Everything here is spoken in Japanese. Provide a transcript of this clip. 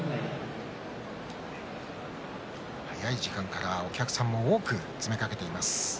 早い時間からお客さんも多く詰めかけています。